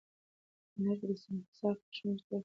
په کندهار کي د سنګحصار کشمش ډېر خواږه دي